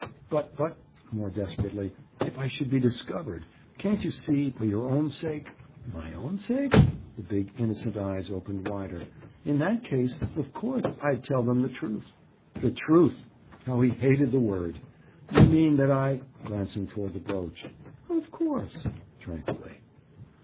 "But—but—" more desperately—"if I should be discovered?—Can't you see, for your own sake—?" "My own sake?" The big innocent eyes opened wider. "In that case, of course, I'd tell them the truth." "The truth!" How he hated the word! "You mean that I—?" Glancing toward the brooch. "Of course!" Tranquilly.